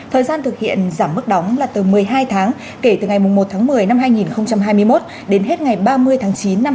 thời gian thực hiện giảm mức đóng là từ một mươi hai tháng kể từ ngày một tháng một mươi năm hai nghìn hai mươi một đến hết ngày ba mươi tháng chín năm hai nghìn hai mươi